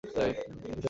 official website